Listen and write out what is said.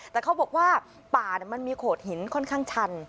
แต่เขาบอกว่าป่ามันมีโขดหินค่อนข้างชัน